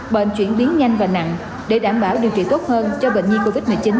bệnh chuyển biến nhanh và nặng để đảm bảo điều trị tốt hơn cho bệnh nhi covid một mươi chín